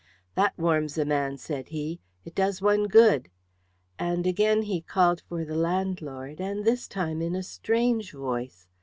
"That warms a man," said he. "It does one good;" and again he called for the landlord, and this time in a strange voice.